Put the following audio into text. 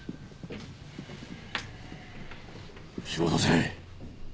仕事せぇ。